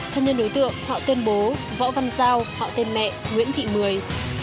thân nhân đối tượng họ tuyên bố võ văn giao họ tên mẹ nguyễn thị mười